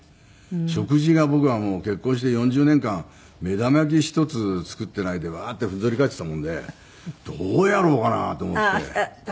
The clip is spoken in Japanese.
食事が僕はもう結婚して４０年間目玉焼き一つ作ってないでウワーッてふんぞり返ってたもんでどうやろうかな？って思って。